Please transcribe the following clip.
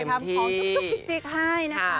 ทำของจุ๊กจิ๊กให้นะคะ